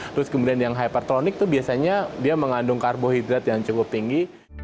terus kemudian yang hypertronic itu biasanya dia mengandung karbohidrat yang cukup tinggi